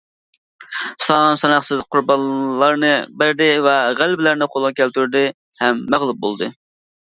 سان ساناقسىز قۇربانلارنى بەردى ۋە غەلىبىلەرنى قولغا كەلتۈردى ھەم مەغلۇپ بولدى.